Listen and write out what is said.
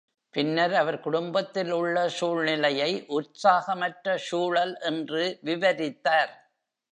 பின்னர் அவர் குடும்பத்தில் உள்ள சூழ்நிலையை "உற்சாகமற்ற சூழல்" என்று விவரித்தார்.